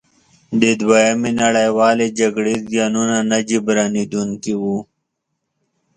د دویمې نړیوالې جګړې زیانونه نه جبرانیدونکي وو.